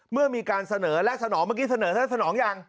เมื่อมีการเสนอและสนองเมื่อกี้เสนอท่านสนองยัง